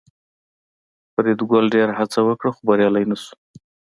فریدګل ډېره هڅه وکړه خو بریالی نشو